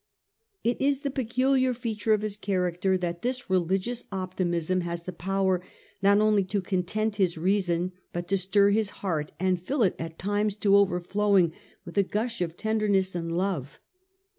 It is the peculiar feature of his character that this religious optimism has the power not only to content his reason, but to stir his heart, and fill it at times to overflowing with a gush of ten derness and love.